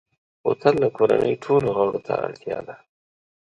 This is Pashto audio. بوتل د کورنۍ ټولو غړو ته اړتیا ده.